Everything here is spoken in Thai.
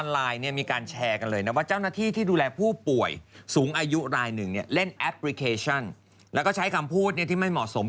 แล้วก็ใช้คำพูดที่ไม่เหมาะสม